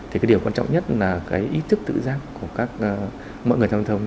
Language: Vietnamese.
thì cái điều quan trọng nhất là cái ý thức tự giác của các mọi người tham gia giao thông